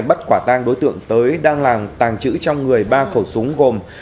bắt quả tang đối tượng tới đăng làng tàng trữ trong người ba khẩu súng gồm